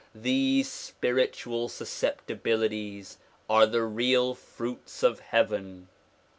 These spiritual susceptibilities are the real fruits of heaven.